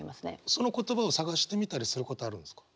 その言葉を探してみたりすることはあるんですか？